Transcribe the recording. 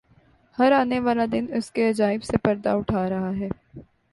ہر آنے والا دن اس کے عجائب سے پردہ اٹھا رہا ہے۔